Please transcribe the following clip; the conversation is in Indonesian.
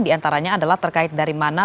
diantaranya adalah terkait dari mana